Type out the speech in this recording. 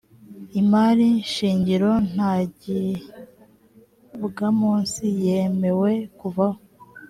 imari shingiro ntagibwamunsi yemewe kuvaho